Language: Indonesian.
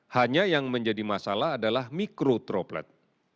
hanya yang menjadi masalah adalah mikro droplet